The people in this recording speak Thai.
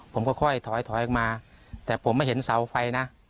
ผมก็ค่อยถอยถอยออกมาแต่ผมไม่เห็นเสาไฟนะ